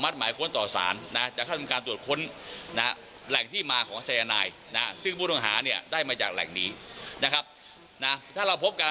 ผู้นำเข้าก็จัดมันกระดีกับผู้นำเข้าด้วยอีกส่วนหนึ่ง